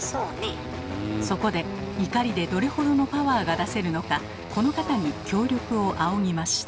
そこで怒りでどれほどのパワーが出せるのかこの方に協力を仰ぎました。